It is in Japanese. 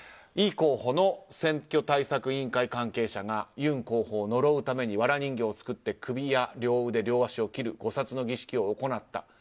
イ候補の選挙対策委員会関係者がユン候補を呪うためにわら人形を作って首や両腕、両足を切る五殺の儀式を行った。